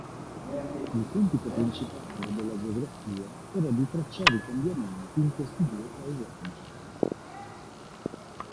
Il compito principale della geografia era di tracciare i cambiamenti in questi due paesaggi.